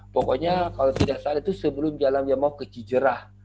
pokoknya kalau tidak salah itu sebelum jalannya mau ke cijerah